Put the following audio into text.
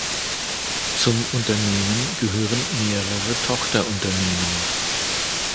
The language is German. Zum Unternehmen gehören mehrere Tochterunternehmen.